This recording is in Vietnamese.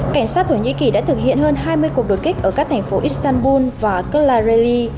cảnh sát thổ nhĩ kỳ đã thực hiện hơn hai mươi cuộc đột kích ở các thành phố istanbul và kulareli